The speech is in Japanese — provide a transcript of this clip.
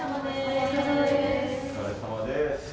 お疲れさまです。